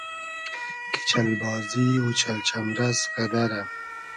کی چئل بازی و چئل چئمرئس غئدئرۂ